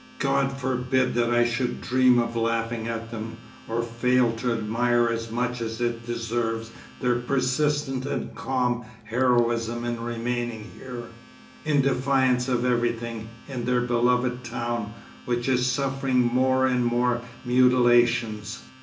God forbid that I should dream of laughing at them, or fail to admire as much as it deserves their persistent and calm heroism in remaining here, in defiance of everything, in their beloved town, which is suffering more and more mutilations.